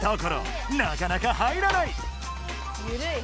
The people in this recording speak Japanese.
なかなか入らない。